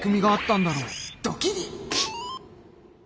ドキリ。